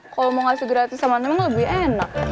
kalau mau ngasih gratis sama temen lebih enak